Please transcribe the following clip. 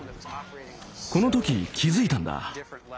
この時気付いたんだ。